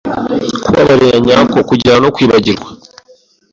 Kubabarira nyako kujyana no kwibagirwa